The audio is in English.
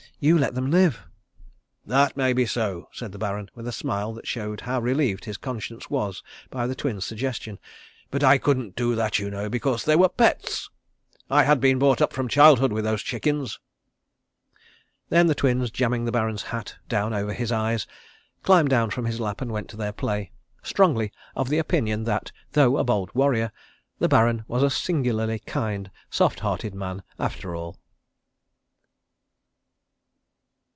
You let them live." "That may be so," said the Baron, with a smile that showed how relieved his conscience was by the Twins' suggestion. "But I couldn't do that you know, because they were pets. I had been brought up from childhood with those chickens." Then the Twins, jamming the Baron's hat down over his eyes, climbed down from his lap and went to their play, strongly of the opinion that, though a bold warrior, the Baron was a singularly kind, soft hearted man after all.